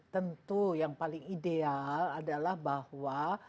tentu yang paling ideal adalah bahwa